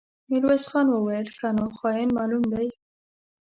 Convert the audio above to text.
ميرويس خان وويل: ښه نو، خاين معلوم دی.